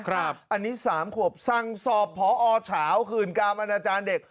ครับอันนี้๓ขวบสั่งสอบพอฉาวคืนกรรมนาจารย์เด็ก